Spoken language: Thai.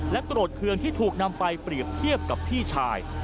โกรธเคืองที่ถูกนำไปเปรียบเทียบกับพี่ชาย